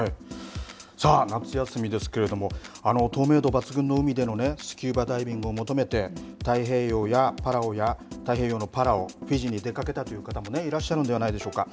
さあ、夏休みですけれども透明度抜群の海でねスキューバダイビングを求めて太平洋のパラオフィジーに出かけたという方もいらっしゃるんではないでしょうか。